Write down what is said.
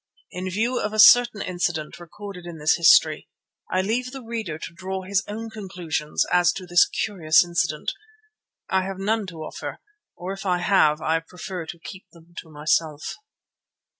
In view of a certain incident recorded in this history I leave the reader to draw his own conclusions as to this curious incident. I have none to offer, or if I have I prefer to keep them to myself.